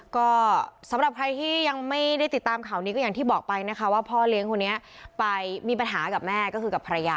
ก็สำหรับใครที่ยังไม่ได้ติดตามข่าวนี้ก็อย่างที่บอกไปนะคะว่าพ่อเลี้ยงคนนี้ไปมีปัญหากับแม่ก็คือกับภรรยา